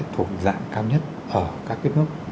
thuộc dạng cao nhất ở các nước